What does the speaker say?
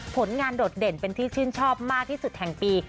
ผลงานโดดเด่นเป็นที่ชื่นชอบมากที่สุดแห่งปี